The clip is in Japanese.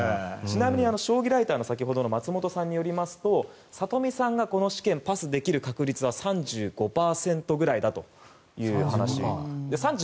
将棋ライターの松本さんによりますと里見さんがこの試験をパスできる確率は３５％ぐらいだという話で。